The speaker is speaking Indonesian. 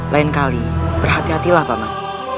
lain kali berhati hatilah paman